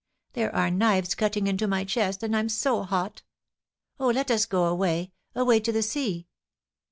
There are knives cutting into my chest, and I'm so hot Oh, let us go away — away to the sea.